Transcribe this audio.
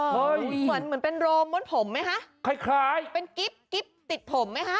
เหมือนเหมือนเป็นโรมม้วนผมไหมคะคล้ายคล้ายเป็นกิ๊บกิ๊บติดผมไหมคะ